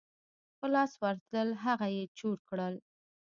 په لاس ورتلل هغه یې چور کړل.